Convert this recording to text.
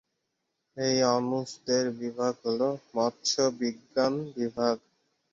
এই অনুষদের বিভাগ হলো: মৎস্য বিজ্ঞান বিভাগ।